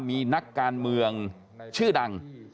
มีนักการเมืองชื่อดัง